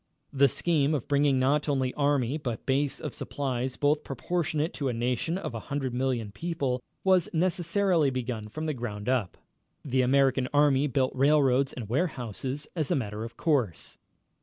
The scheme of bringing not only army but base of supplies, both proportionate to a nation of a hundred million people, was necessarily begun from the ground up. The American Army built railroads and warehouses as a matter of course.